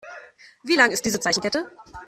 Wie lang ist diese Zeichenkette?